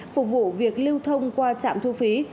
phục vụ việc lưu thông qua trạm thu phí